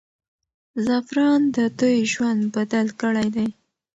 زعفران د دوی ژوند بدل کړی دی.